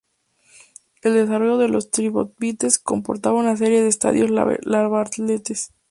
El desarrollo de los trilobites comportaba una serie de estadios larvales.